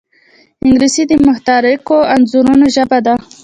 انګلیسي د متحرکو انځورونو ژبه ده